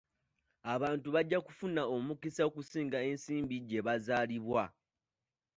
Abantu bajja kufuna omukisa okusiga ensimbi gye bazaalibwa.